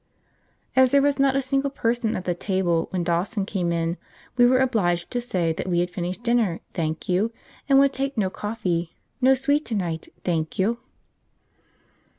As there was not a single person at the table when Dawson came in, we were obliged to say that we had finished dinner, thank you, and would take coffee; no sweet to night, thank you.